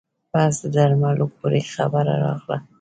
بس د درملو پورې خبره راغله.